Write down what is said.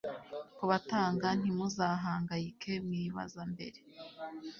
kubatanga ntimuzahangayike mwibaza mbere